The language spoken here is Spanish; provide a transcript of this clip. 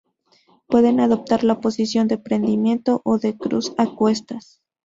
Puede adoptar la posición de "prendimiento" o de "cruz a cuestas".